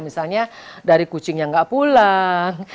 misalnya dari kucing yang nggak pulang